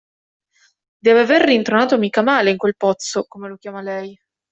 Deve aver rintronato mica male in quel pozzo, come lo chiama lei.